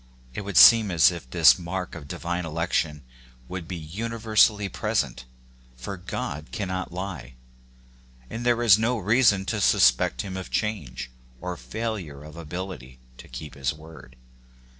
It would seem as if this mark ol divine election would be universally present ; for God cannot lie, and there is no reason to suspect him of change, or failure of ability to keep his word.